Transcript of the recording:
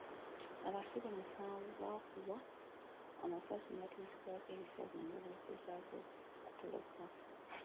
Abasibe musanvu bakubwa amasasi ne batuusibwako ebisago nga bagezaako okutoloka.